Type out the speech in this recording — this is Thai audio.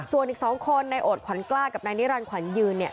ส่วนอีก๒คนนายโอดขวัญกล้ากับนายนิรันดิขวัญยืนเนี่ย